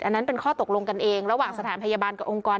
อันนั้นเป็นข้อตกลงกันเองระหว่างสถานพยาบาลกับองค์กร